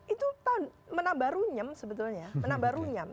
itu menambah runyam sebetulnya menambah runyam